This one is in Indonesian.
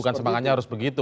bukan semangatnya harus begitu